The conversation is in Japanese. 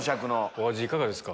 お味いかがですか？